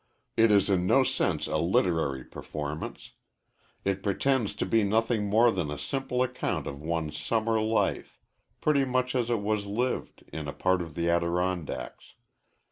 It is in no sense a literary performance. It pretends to be nothing more than a simple account of one summer's life, pretty much as it was lived, in a part of the Adirondacks.